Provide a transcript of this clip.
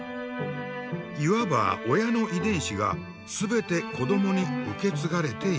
いわば親の遺伝子が全て子どもに受け継がれている。